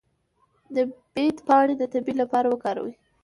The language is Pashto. د بید پاڼې د تبې لپاره وکاروئ